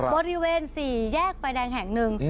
บริเวณ๔แยกไฟแดงแห่งหนึ่ง